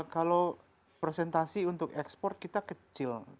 kalau presentasi untuk ekspor kita kecil